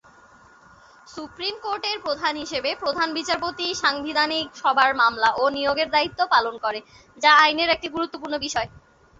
Supreme কোর্টের প্রধান হিসেবে প্রধান বিচারপতি সাংবিধানিক সভার মামলা ও নিয়োগের দ্বায়িত্ব পালন করে, যা আইনের একটি গুরুত্বপূর্ণ বিষয়।